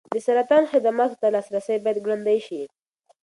د سرطان خدماتو ته لاسرسی باید ګړندی شي.